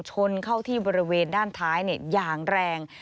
ชนเข้าที่บริเวณด้านท้ายอย่างแรง